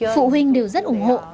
phụ huynh đều rất ủng hộ